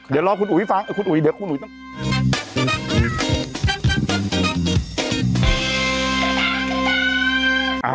เดี๋ยวรอคุณอุ๋ยฟังคุณอุ๋ยเดี๋ยวคุณอุ๋ยต้อง